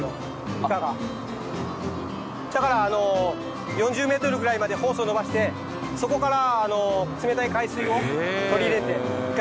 だから４０メートルぐらいまでホースを延ばしてそこから冷たい海水を取り入れて生かすようにしています。